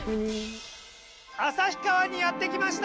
旭川にやって来ました！